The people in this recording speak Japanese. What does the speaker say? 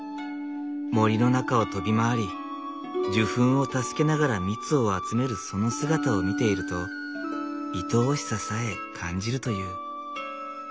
森の中を飛び回り受粉を助けながら蜜を集めるその姿を見ているといとおしささえ感じるという。